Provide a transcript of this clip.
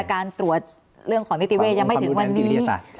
การตรวจเรื่องของนิติเวศยังไม่ถึงวันนี้